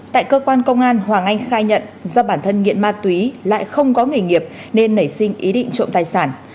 tại cơ quan công an hoàng anh khai nhận do bản thân nghiện ma túy lại không có nghề nghiệp nên nảy sinh ý định trộm tài sản